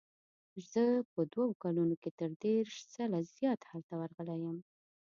زه په دوو کلونو کې تر دېرش ځله زیات هلته ورغلی یم.